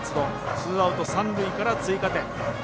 ツーアウト、三塁から追加点。